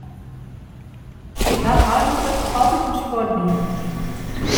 Ik ha eigentlik altyd oan sport dien.